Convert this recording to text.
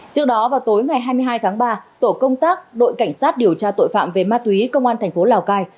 trước đó vào tối ngày hai mươi hai tháng ba tổ công tác đội cảnh sát điều tra tội phạm về ma túy công an thành phố lào cai